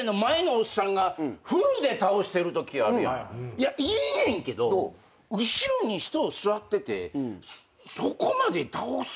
いやいいねんけど後ろに人座っててそこまで倒す？